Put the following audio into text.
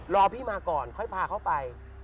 รอพี่มาก่อนค่อยพาเขาไป